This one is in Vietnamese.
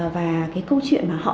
và cái câu chuyện mà họ